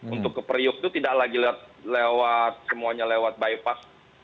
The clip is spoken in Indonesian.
untuk ke periuk itu tidak lagi lewat semuanya lewat bypass